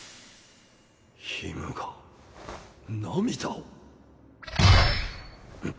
ヒムが涙を？